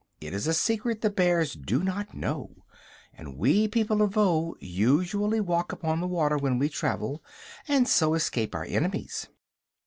It is a secret the bears do not know, and we people of Voe usually walk upon the water when we travel, and so escape our enemies."